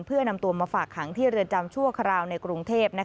เพื่อนำตัวมาฝากขังที่เรือนจำชั่วคราวในกรุงเทพ